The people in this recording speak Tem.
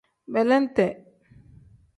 Belente.